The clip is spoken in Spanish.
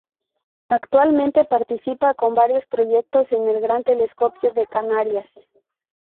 Actualmente participa con varios proyectos en el Gran Telescopio de Canarias.